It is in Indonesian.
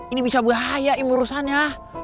ini bisa bahaya ini urusannya